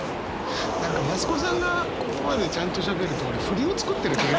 何か増子さんがここまでちゃんとしゃべると俺フリを作ってる。